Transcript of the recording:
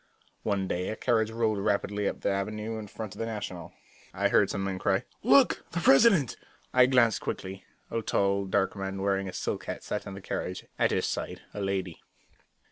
One day a carriage rolled rapidly up the avenue in front of the National. I heard some men cry, "Look, the President!" I glanced quickly. A tall, dark man, wearing a silk hat sat in the carriage; at his side a lady.